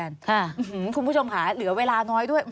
ไม่เคยคุยกันคุณผู้ชมขาเหลือเวลาน้อยด้วย